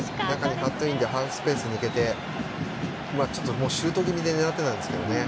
カットインでハーフスペースを抜けてシュート気味で狙ってたんですけどね。